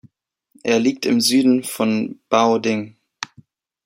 Er liegt im Süden von Baoding.